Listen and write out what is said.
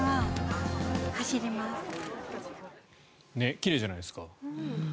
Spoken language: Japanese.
奇麗じゃないですか。